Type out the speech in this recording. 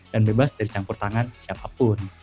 dan bebas dari campur tangan siapapun